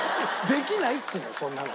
できないっつうのそんなの。